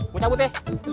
gua cabut ya